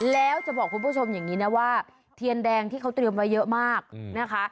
แล้วจะบอกคุณผู้ชมอย่างนี้นะว่าเทียนแดงที่เขาเตรียมไว้เยอะมากนะคะ